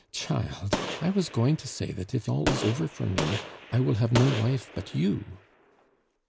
"Child! I was going to say that if all is over for me, I will have no wife but you."